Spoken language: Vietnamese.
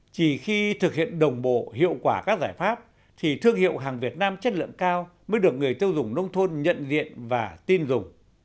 chỉ khi thực hiện đồng bộ hiệu quả các giải pháp thì thương hiệu hàng việt nam chất lượng cao mới được người tiêu dùng nông thôn nhận diện và tin dùng